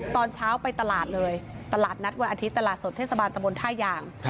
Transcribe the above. ตอนเช้าไปตลาดเลยตลาดนัดวันอาทิตย์ตลาดสดเทศบาลตะบนท่ายาง